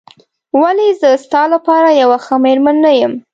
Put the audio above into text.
ولې زه ستا لپاره یوه ښه مېرمن نه یم؟